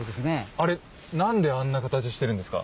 あれ何であんな形してるんですか？